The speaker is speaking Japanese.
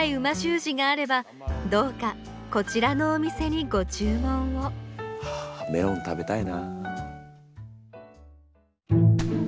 字があればどうかこちらのお店にご注文をはあメロン食べたいな。